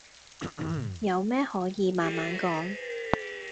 有咩可以慢慢講